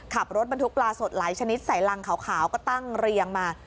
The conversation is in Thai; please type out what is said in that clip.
ขับรถบรรทุกปลาสดหลายชนิดใส่รังขาวก็ตั้งเรียงมา